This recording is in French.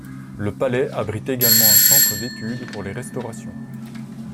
Le palais abrite également un centre d’études pour les restaurations.